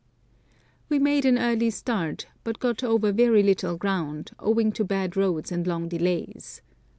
We made an early start, but got over very little ground, owing to bad roads and long delays.